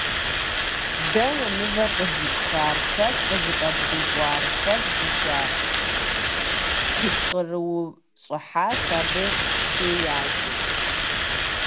- Дэнэ мывэр къыздипхар? Хэт къызыфӀэбдыгъуар? Хэт букӀар? - къыпкърыупщӀыхьащ абы хеящӀэр.